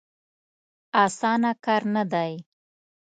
اسانه کار نه دی.